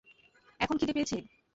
এখন খিদে পেয়েছে।